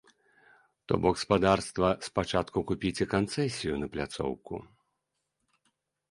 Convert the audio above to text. То бок, спадарства, спачатку купіце канцэсію на пляцоўку.